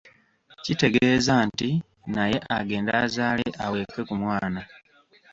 Kitegeeza nti naye agende azaale aweeke ku mwana.